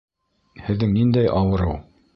Һеҙҙең ниндәй ауырыу?